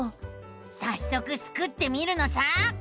さっそくスクってみるのさ！